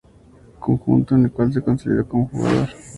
Conjunto en el cual se consolidó como jugador.